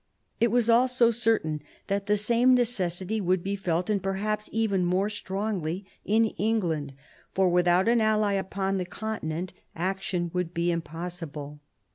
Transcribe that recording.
It was also certain that the same necessity would be felt, and perhaps even more strongly, in England, for without an ally upon the continent action would be impossible.